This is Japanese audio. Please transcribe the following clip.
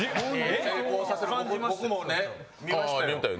僕も見ましたよ。